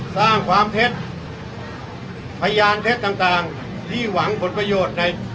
สร้างความเท็จพยานเท็จต่างที่หวังผลประโยชน์ใน